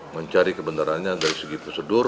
mencari kebenarannya dari segi prosedur